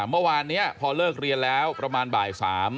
เมื่อวานนี้พอเลิกเรียนแล้วประมาณบ่าย๓